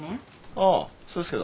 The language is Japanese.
あーそうですけど。